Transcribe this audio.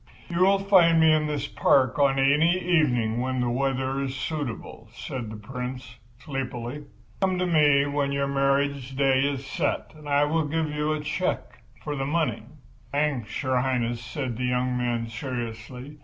"You will find me in this park on any evening when the weather is suitable," said the Prince, sleepily. "Come to me when your marriage day is set and I will give you a cheque for the money." "Thanks, Your Highness," said the young man, seriously.